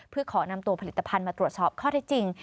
เพื่อขอนำตัวผลิตภัณฑ์มาตรวจสอบข้อได้จริง